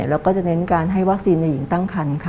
แล้วก็จะเน้นการให้วัคซีนในหญิงตั้งคันค่ะ